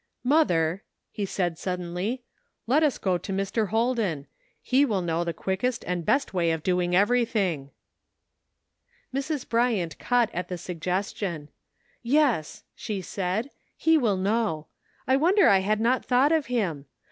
"Mother," he said suddenly, "let us go to Mr. Holden. He will know the quickest and best way of doing everything." 64 *'WHAT COULD HAPPEN? Mrs. Bryant caught at the suggestion. " Yes," she said, "he will know. I wonder I had not thought of him.